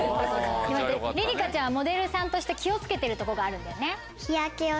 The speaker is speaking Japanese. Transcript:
莉里香ちゃんはモデルさんとして気を付けてるとこがあるんだよね？